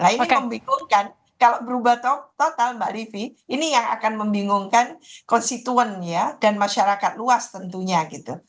nah ini membingungkan kalau berubah total mbak riffi ini yang akan membingungkan konstituen ya dan masyarakat luas tentunya gitu